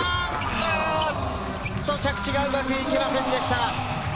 キャッチがうまくいきませんでした。